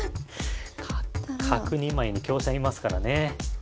角２枚に香車居ますからね。